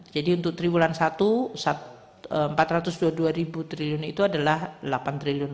jadi untuk tiga bulan satu rp empat ratus dua puluh dua itu adalah rp delapan triliun